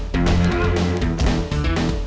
perutnya orgini tuh gaetiesin